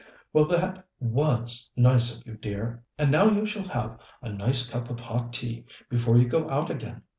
"Well, that was nice of you, dear, and now you shall have a nice cup of hot tea before you go out again.